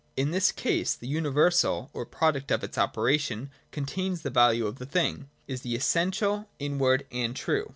In this case the universal or product of its operation con tains the value of the thing — is the essential, inward, and true.